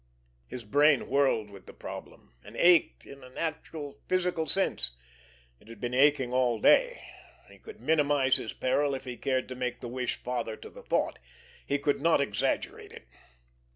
His brain whirled with the problem, and ached in an actual physical sense. It had been aching all day. He could minimize his peril, if he cared to make the wish father to the thought; he could not exaggerate it.